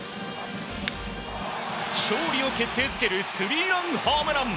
勝利を決定づけるスリーランホームラン。